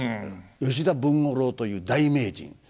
吉田文五郎という大名人。